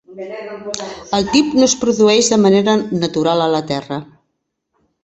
El TiB no es produeix de manera natural a la terra.